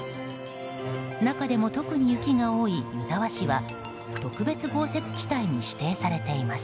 中でも特に雪が多い湯沢市は特別豪雪地帯に指定されています。